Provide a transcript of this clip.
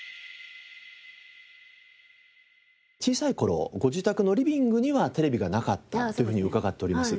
小さい頃ご自宅のリビングにはテレビがなかったというふうに伺っております。